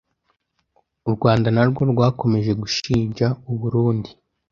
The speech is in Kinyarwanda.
u Rwanda na rwo rwakomeje gushinja u Burundi